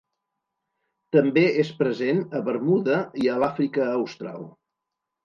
També és present a Bermuda i a l'Àfrica Austral.